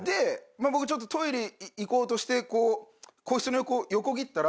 僕ちょっとトイレ行こうとして個室の横を横切ったら。